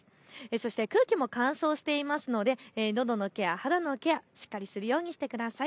そして空気も乾燥していますのでのどのケア、肌のケア、しっかりするようにしてください。